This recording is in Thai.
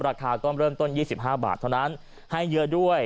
ราคาก็เริ่มต้น๒๕บาทเท่านั้นให้เยอะด้วย